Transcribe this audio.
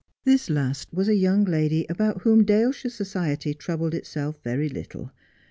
This last was a young lady about whom Daleshire society troubled itself very little.